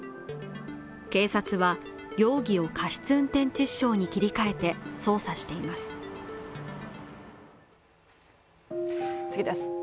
警察は、容疑を過失運転致死傷に切り替えて捜査しています。